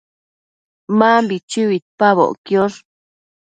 Mambi chui uidpaboc quiosh